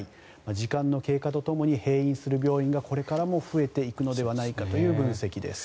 時間の経過とともに閉院する病院がこれからも増えていくのではないかという分析です。